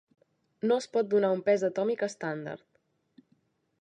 No es pot donar un pes atòmic estàndard.